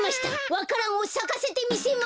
わか蘭をさかせてみせます！